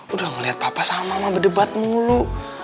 udah ngeliat papa sama mama berdebat mulu